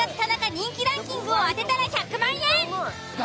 人気ランキングを当てたら１００万円！